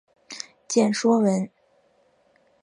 见说文。